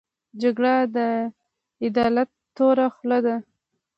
جګړه د عدالت توره خوله ده